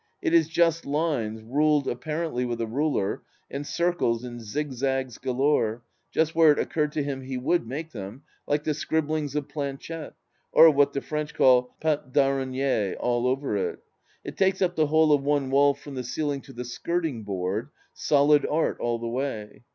It is just lines, ruled apparently with a ruler, and circles and zig zags galore, just where it occurred to him he would make them, like the scribblings of Planchette, or what the French call pattes d'araignie all over it. It takes up the whole of one wall from the ceiling to the skirting board — solid art all the way.